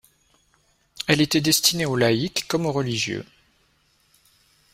Elle était destinée aux laïcs comme aux religieux.